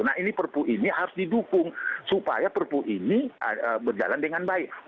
nah ini perpu ini harus didukung supaya perpu ini berjalan dengan baik